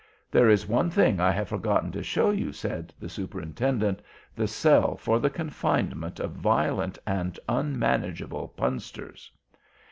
"There is one thing I have forgotten to show you," said the Superintendent, "the cell for the confinement of violent and unmanageable Punsters."